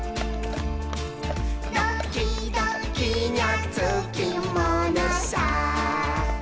「ドキドキにゃつきものさ」